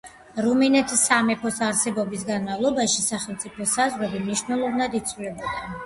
რუმინეთის სამეფოს არსებობის განმავლობაში სახელმწიფოს საზღვრები მნიშვნელოვნად იცვლებოდა.